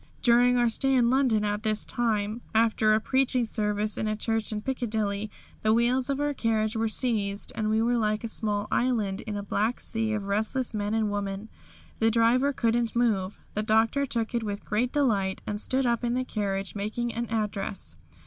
During our stay in London this time, after a preaching service in a church in Piccadilly, the wheels of our carriage were seized and we were like a small island in a black sea of restless men and women. The driver couldn't move. The Doctor took it with great delight and stood up in the carriage, making an address.